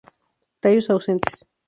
Tallos ausente.